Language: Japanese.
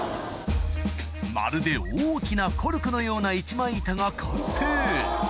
まるで大きなコルクのような一枚板が完成